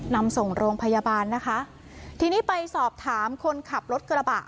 นำส่งโรงพยาบาลนะคะทีนี้ไปสอบถามคนขับรถกระบะ